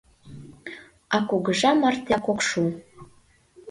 А кугыжа мартеак ок шу.